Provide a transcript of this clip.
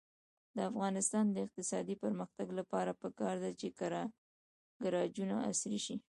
د افغانستان د اقتصادي پرمختګ لپاره پکار ده چې ګراجونه عصري شي.